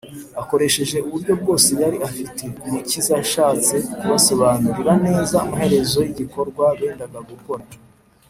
akoresheje uburyo bwose yari afite, umukiza yashatse kubasobanurira neza amaherezo y’igikorwa bendaga gukora